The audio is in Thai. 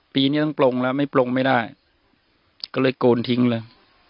ปีนี้ต้องปลงแล้วไม่ปลงไม่ได้ก็เลยโกนทิ้งเลย